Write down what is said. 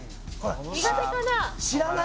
「苦手かな？」